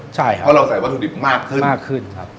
ใช่ครับเพราะเราใส่วัตถุดิบมากขึ้นมากขึ้นครับ